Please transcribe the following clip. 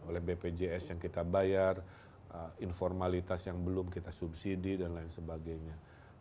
oleh bpjs yang kita bayar informalitas yang belum kita subsidi dan lain sebagainya